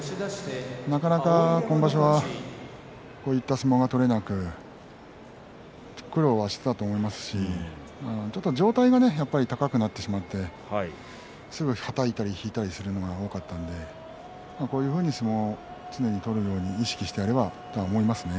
なかなか今場所はこういった相撲が取れなくて苦労はしていたと思いますしちょっと上体が高くなってしまってすぐにはたいたり引いたりするのが多かったのでこういうふうに相撲を常に取れるように意識していればと思いますね。